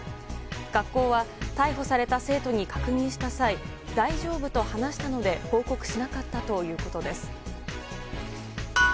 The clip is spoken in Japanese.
学校は逮捕された生徒に確認した際大丈夫と話したので報告しなかったということです。